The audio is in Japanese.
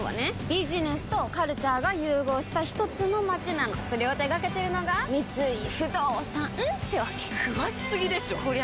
ビジネスとカルチャーが融合したひとつの街なのそれを手掛けてるのが三井不動産ってわけ詳しすぎでしょこりゃ